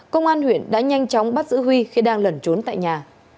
công an huyện đã nhanh chóng bắt giữ huy khi đang lẩn trốn tại nhà